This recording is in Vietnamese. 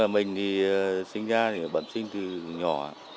mình thì sinh ra thì bận sinh từ nhỏ